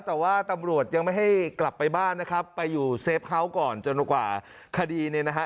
แต่ว่าตำรวจยังไม่ให้กลับไปบ้านนะครับไปอยู่เซฟเขาก่อนจนกว่าคดีเนี่ยนะฮะ